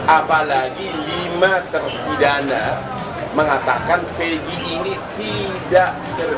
apalagi lima terpidana mengatakan pg ini tidak